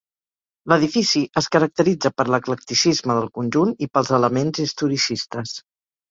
L'edifici es caracteritza per l'eclecticisme del conjunt i pels elements historicistes.